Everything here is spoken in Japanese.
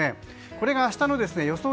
これが明日の予想